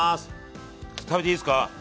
食べていいですか？